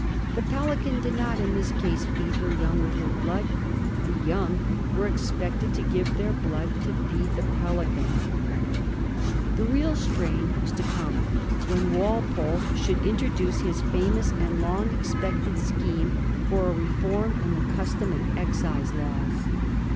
The pelican did not in this case fised her young with her blood ; the young were expected to give their blood to feed the pelican. Digiti zed by Google 1782 EXCISE REFORM. 409 The real strain was to come when Walpole should introduce his famous and long expected scheme for a reform in the customs and excise laws.